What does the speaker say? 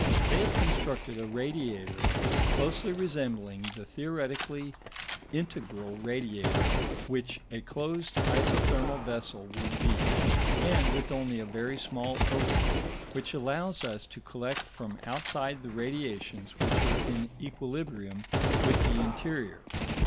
They have constructed a radiator closely resembling the theoretically integral radiator which a closed isothermal vessel would be, and with only a very small opening, which allows us to collect from outside the radiations which are in equilibrium with the interior.